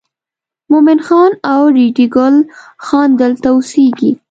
مومن خان او ریډي ګل خان دلته اوسېږي.